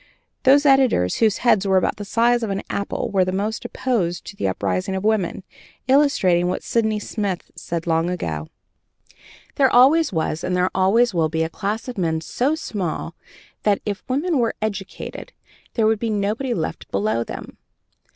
Those editors whose heads were about the size of an apple were the most opposed to the uprising of women, illustrating what Sidney Smith said long ago: "There always was, and there always will be a class of men so small that, if women were educated, there would be nobody left below them."